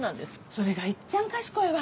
それがいっちゃん賢いわ。